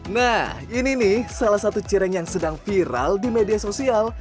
nah ini nih salah satu cireng yang sedang viral di media sosial